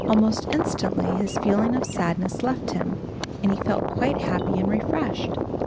Almost instantly his feeling of sadness left him, and he felt quite happy and refreshed.